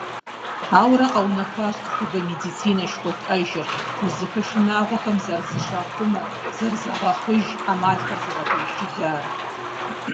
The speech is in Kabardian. Ауэрэ къэунэхуащ цӀыхубэ медицинэ жыхуэтӀэжыр, узыфэ шынагъуэхэм зэрызыщахъумэ, зэрызагъэхъуж Ӏэмалхэр зыгъэбелджылар.